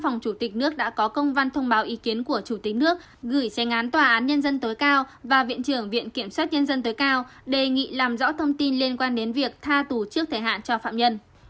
phó chủ tịch nước đã có công văn thông báo ý kiến của chủ tịch nước gửi xe án tòa án nhân dân tối cao và viện trưởng viện kiểm soát nhân dân tối cao đề nghị làm rõ thông tin liên quan đến việc tha tù trước thời hạn cho phạm nhân